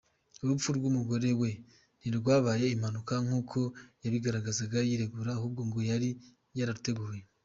Urupfu rw’umugore we ntirwabaye impanuka nk’uko yabigaragazaga yiregura, ahubwo ngo yari yararuteguye.